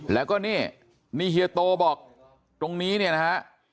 แล้วก็นี่นี่เฮียโตบอกตรงนี้เนี่ยนะฮะ